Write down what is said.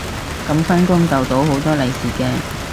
噉返工逗到好多利是嘅